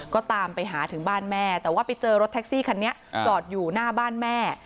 ก็ตามไปหาถึงบ้านแม่แต่ว่าไปเจอรถแท็กซี่คันนี้จอดอยู่หน้าบ้านแม่